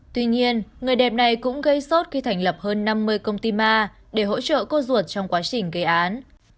tuy nhiên người đẹp này cũng gây sốt khi thành lập hơn năm mươi công ty ma để hỗ trợ cô ruột trong quá trình gây án